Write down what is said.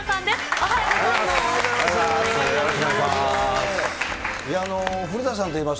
おはようございます。